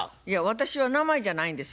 私は名前じゃないんですよ。